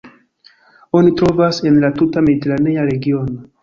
Oni trovas en la tuta mediteranea regiono.